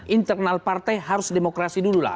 internal partai harus demokrasi dulu lah